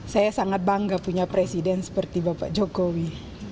saya sangat bangga punya presiden seperti bapak jokowi